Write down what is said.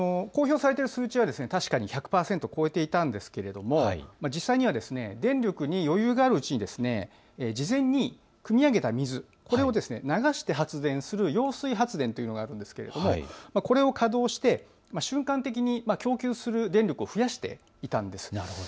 公表されている数値は確かに１００％、超えていたんですけれども実際には、電力に余裕があるうちに事前に、くみ上げた水、これを流して発電する揚水発電というのがあるのですがこれを稼働して瞬間的に供給する電力を増やしていたんです。